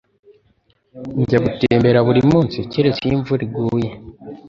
Njya gutembera buri munsi, keretse iyo imvura iguye.